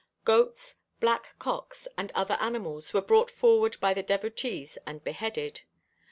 Goats, black cocks and other animals were brought forward by the devotees and beheaded.